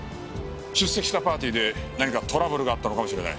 出席したパーティーで何かトラブルがあったのかもしれない。